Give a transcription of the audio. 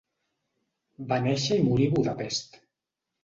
Va néixer i morir a Budapest.